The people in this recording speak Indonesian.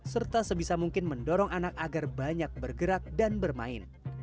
serta sebisa mungkin mendorong anak agar banyak bergerak dan bermain